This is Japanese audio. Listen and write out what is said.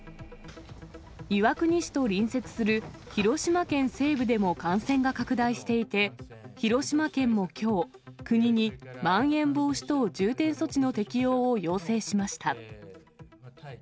岩国市と隣接する広島県西部でも感染が拡大していて、広島県もきょう、国にまん延防止等重点措置の適用を要請しました。